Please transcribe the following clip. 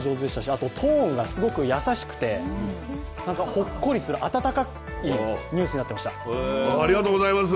あと、トーンがすごく優しくて、ほっこりする、温かいニュースになっていました。